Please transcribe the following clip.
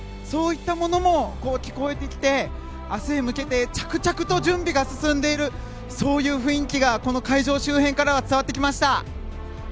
そういったものも聞こえてきて、明日へ向けて着々と準備が進んでいるそういう雰囲気がこの会場周辺からは伝わってきました。